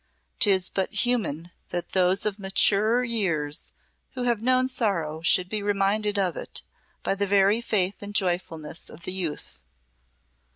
'Tis but human that those of maturer years who have known sorrow should be reminded of it by the very faith and joyfulness of youth.